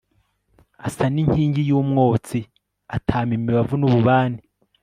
asa n'inkingi y'umwotsi, atama imibavu n'ububani